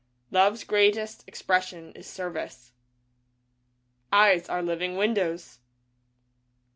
Love's greatest expression is Service. Eyes are living windows.